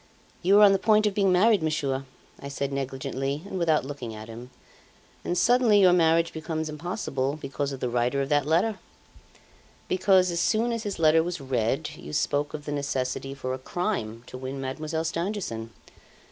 'You were on the point of being married, Monsieur,' I said negligently and without looking at him, 'and suddenly your marriage becomes impossible because of the writer of that letter; because as soon as his letter was read, you spoke of the necessity for a crime to win Mademoiselle Stangerson.